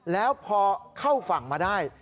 แล้วพอเข้าฝั่งมาได้